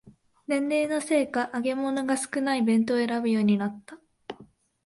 年齢のせいか揚げ物が少ない弁当を選ぶようになった